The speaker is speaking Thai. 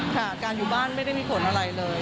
ค่ะการอยู่บ้านไม่ได้มีผลอะไรเลย